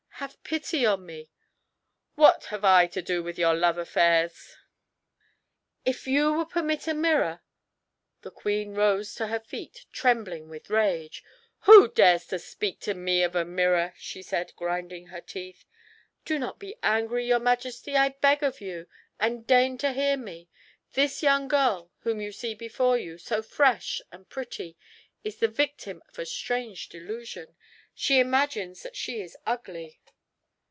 "Have pity on me." "What have I to do with your love affairs?" "If you would permit a mirror " The queen rose to her feet, trembling with rage. "Who dares to speak to me of a mirror?" she said, grinding her teeth. "Do not be angry, your Majesty, I beg of you, and deign to hear me. This young girl whom you see before you, so fresh and pretty, is the victim of a strange delusion. She imagines that she is ugly."